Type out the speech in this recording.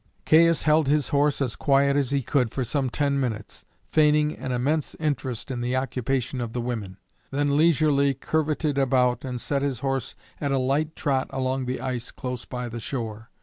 Caius held his horse as quiet as he could for some ten minutes, feigning an immense interest in the occupation of the women; then leisurely curvetted about, and set his horse at a light trot along the ice close by the shore.